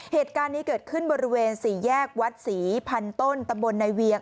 เหตุการณ์นี้เกิดขึ้นบริเวณสี่แยกวัดศรีพันต้นตำบลในเวียง